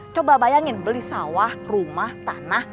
coba bayangin beli sawah rumah tanah